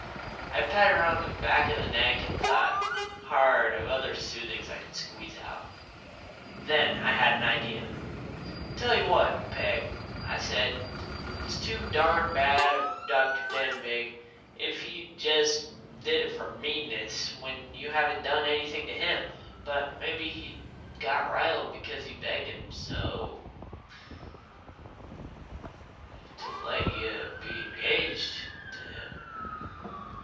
I patted her on the back of the neck, and thought hard what other soothings I could squeeze out. Then I had an idea. "Tell you what, Peg," I said, "it's too darned bad of Dr. Denbigh, if he just did it for meanness, when you haven't done anything to him. But maybe he got riled because you begged him so to let you be engaged to him.